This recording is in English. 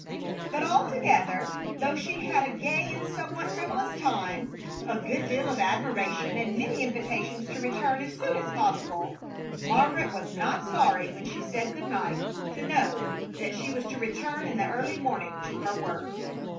But altogether, though she had a gay and somewhat frivolous time, a good deal of admiration and many invitations to return as often as possible, Margaret was not sorry when she said good night to know that she was to return in the early morning to her work.